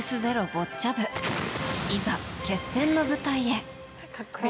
ボッチャ部いざ、決戦の舞台へ。